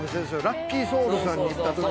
ラッキーソウルさんに行った時に。